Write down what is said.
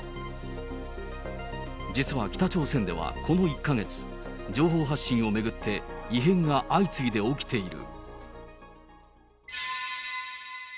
実は北朝鮮ではこの１か月、情報発信を巡って、異変が相次いで起きている。